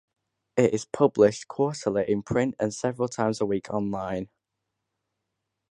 It is published quarterly in print and several times a week online.